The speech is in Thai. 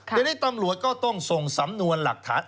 ทีนี้ตำรวจก็ต้องส่งสำนวนหลักฐาน